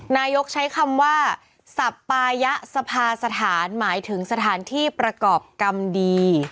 นายกใช้คำว่าสับปายะสภาสถานหมายถึงสถานที่ประกอบกรรมดี